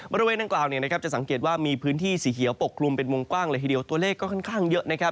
บริเวณดังกล่าวจะสังเกตว่ามีพื้นที่สีเขียวปกกลุ่มเป็นวงกว้างเลยทีเดียวตัวเลขก็ค่อนข้างเยอะนะครับ